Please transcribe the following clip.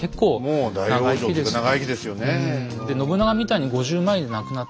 もう大往生っていうか長生きですよね。